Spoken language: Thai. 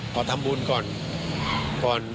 ขอทำบุญก่อน